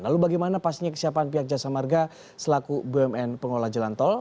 lalu bagaimana pastinya kesiapan pihak jasa marga selaku bumn pengelola jalan tol